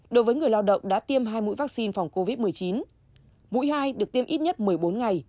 đối với người lao động đã tiêm hai mũi vaccine phòng covid một mươi chín mũi hai được tiêm ít nhất một mươi bốn ngày